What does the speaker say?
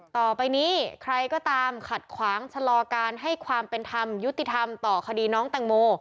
ต่อไปนี้ใครก็ตามขัดขวางชะลอการให้ความเป็นธรรมยุติธรรมต่อคดีน้องแตงโม